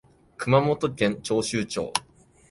熊本県長洲町